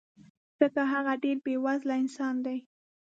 ځکه هغه ډېر بې وزله انسان دی